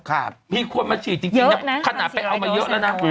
ครับมีคนมาฉีดจริงจริงเนี้ยขนาดไปเอามาเยอะแล้วนะ